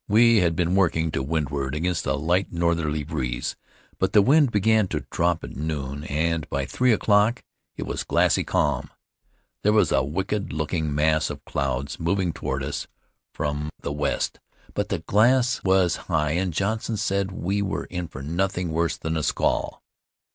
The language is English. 'We had been working to windward against a light, northerly breeze, but the wind began to drop at noon, and by three o'clock it was glassy calm. There was a wicked looking mass of clouds moving toward us from [481 Marooned on Mataora the west, but the glass was high and Johnson said we were in for nothing worse than a squall.